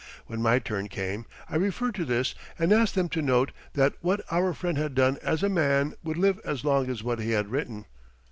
When my turn came, I referred to this and asked them to note that what our friend had done as a man would live as long as what he had written.